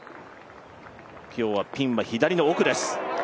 今日はピンは左の奥です。